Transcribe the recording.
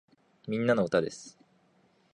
みんなの歌です